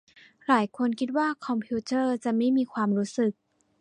หลายคนคิดว่าคอมพิวเตอร์จะไม่มีความรู้สึก